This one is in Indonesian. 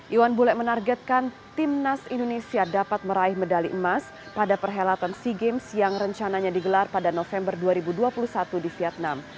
iwan bule menargetkan timnas indonesia dapat meraih medali emas pada perhelatan sea games yang rencananya digelar pada november dua ribu dua puluh satu di vietnam